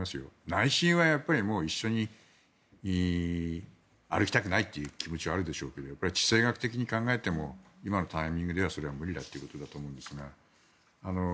内心は一緒に歩きたくないという気持ちはあるでしょうけど地政学的に考えても今のタイミングではそれは無理だということだと思います。